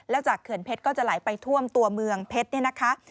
แล้วจากเขื่อนเพชรก็จะไหลไปท่วมตัวเมืองเพชรเนี่ยนะคะ